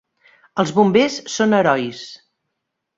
Els bombers són herois.